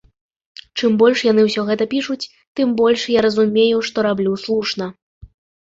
Чым больш яны ўсё гэта пішуць, тым больш я разумею, што раблю слушна.